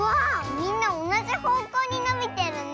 みんなおなじほうこうにのびてるね。